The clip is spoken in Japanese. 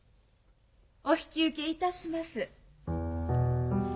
・お引き受けいたします。